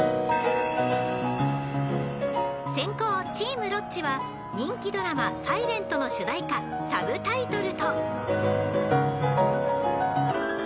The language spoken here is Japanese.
［先攻チームロッチは人気ドラマ『ｓｉｌｅｎｔ』の主題歌『Ｓｕｂｔｉｔｌｅ』と］